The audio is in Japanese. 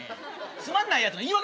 つまんないやつの言い訳。